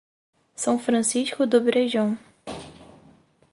São Francisco do Brejão